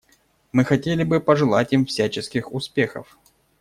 Мы хотели бы пожелать им всяческих успехов.